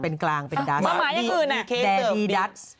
มันหมายถึงแดดดิดัส